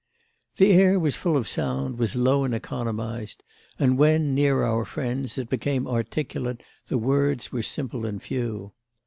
The air was full of sound, was low and economised; and when, near our friends, it became articulate the words were simple and few.